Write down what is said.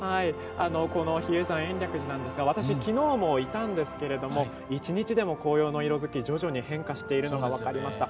比叡山延暦寺なんですが私は昨日もいたんですけども一日でも紅葉の色づき、徐々に変化しているのが分かりました。